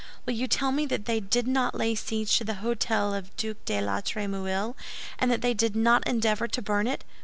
Will you tell me that they did not lay siege to the hôtel of the Duc de la Trémouille, and that they did not endeavor to burn it?